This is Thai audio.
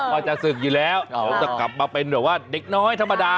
พอจะสึกอยู่แล้วจะกลับมาเป็นเด็กน้อยธรรมดา